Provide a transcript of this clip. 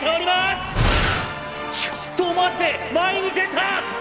シュッ！と思わせて前に出た！